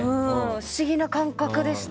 不思議な感覚でした。